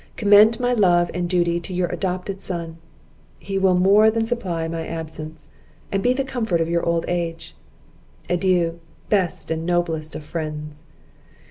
Commend my love and duty to your adopted son; he will more than supply my absence, and be the comfort of your old age. Adieu, best and noblest of friends!"